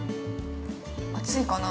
熱いかな。